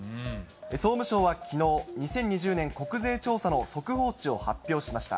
総務省はきのう、２０２０年国税調査の速報値を発表しました。